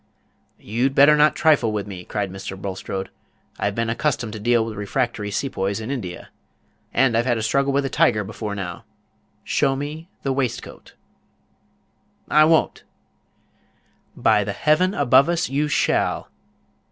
"You'd better not trifle with me," cried Mr. Bulstrode; "I've been accustomed to deal with refractory Sepoys in India, and I've had a struggle with a tiger before now. Show me that waistcoat." "I won't." "By the Heaven above us, you shall."